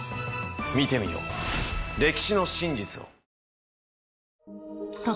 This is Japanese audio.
見てみよう歴史の真実を。